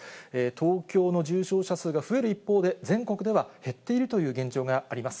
東京の重症者数が増える一方で、全国では減っているという現状があります。